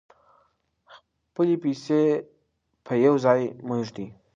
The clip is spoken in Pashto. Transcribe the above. خپلې پیسې په یو ځای مه ږدئ.